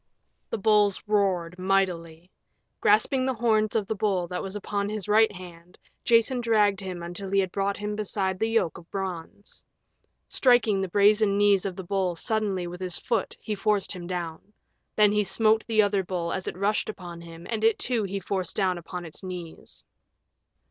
The bulls roared mightily. Grasping the horns of the bull that was upon his right hand, Jason dragged him until he had brought him beside the yoke of bronze. Striking the brazen knees of the bull suddenly with his foot he forced him down. Then he smote the other bull as it rushed upon him, and it too he forced down upon its knees.